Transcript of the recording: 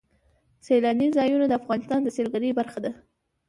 سیلانی ځایونه د افغانستان د سیلګرۍ برخه ده.